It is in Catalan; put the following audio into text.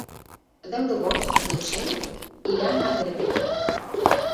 El deu d'agost na Txell irà a Matadepera.